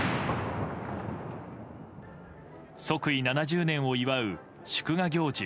即位７０年を祝う祝賀行事